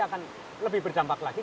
akan lebih berdampak lagi